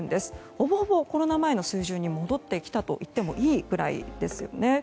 ほぼほぼコロナ前の水準に戻ってきたといってもいいくらいですよね。